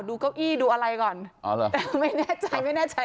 เก้าอี้ดูอะไรก่อนอ๋อเหรอแต่ไม่แน่ใจไม่แน่ใจ